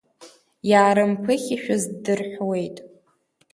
Иаарымԥыхьашәаз ддырҳәуеит.